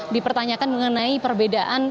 dipertanyakan mengenai perbedaan